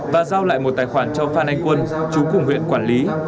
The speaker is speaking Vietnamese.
và giao lại một tài khoản cho phan anh quân chú cùng huyện quản lý